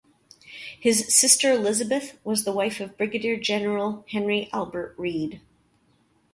His sister Elizabeth was the wife of Brigadier General Henry Albert Reed.